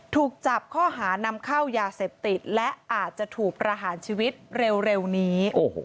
ถูกจับข้อหานำเข้ายาเสพติดและอาจจะถูกประหารชีวิตเร็วนี้